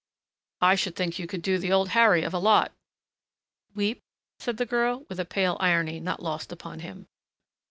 "I should think you could do the Old Harry of a lot." "Weep?" said the girl with a pale irony not lost upon him.